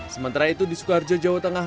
sementara itu di sukoharjo jawa tengah